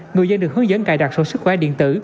người dân được hướng dẫn cài đặt sổ sức khỏe điện tử